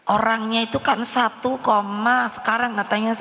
orangnya itu kan satu enam